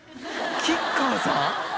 吉川さん！？